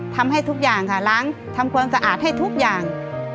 ทำให้ทุกอย่างค่ะล้างทำความสะอาดให้ทุกอย่าง